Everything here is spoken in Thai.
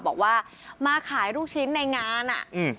บอกว่ามาขายลูกชิ้นในงานอ่ะอืม